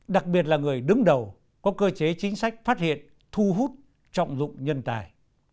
đặc biệt là người đứng đầu có cơ chế chính sách phát hiện thu hút trọng dụng nhân tài